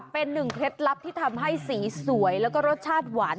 เป็นหนึ่งเคล็ดลับที่ทำให้สีสวยแล้วก็รสชาติหวาน